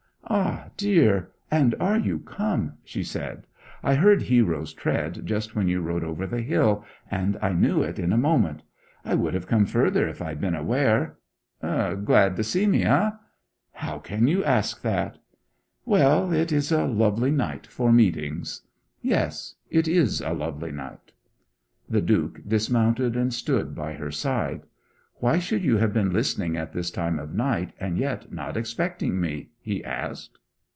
'Ah dear and are you come?' she said. 'I heard Hero's tread just when you rode over the hill, and I knew it in a moment. I would have come further if I had been aware ' 'Glad to see me, eh?' 'How can you ask that?' 'Well; it is a lovely night for meetings.' 'Yes, it is a lovely night.' The Duke dismounted and stood by her side. 'Why should you have been listening at this time of night, and yet not expecting me?' he asked.